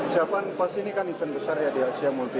siapkan pas ini kan event besar ya di asia multimedia